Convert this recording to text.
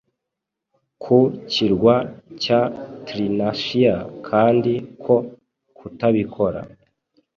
ku kirwa cya Thrinacia kandi ko kutabikora